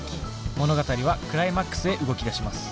物語はクライマックスへ動きだします。